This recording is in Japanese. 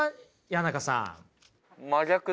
谷中さん。